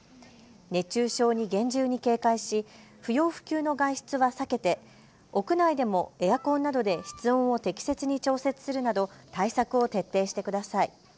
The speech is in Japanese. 熱中症に厳重に警戒し不要不急の外出は避けて、屋内でもエアコンなどで室温を適切に調節するなど対策を徹底してください。